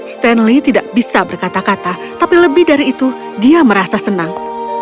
stanley tidak bisa berkata kata tapi lebih dari itu dia merasa senang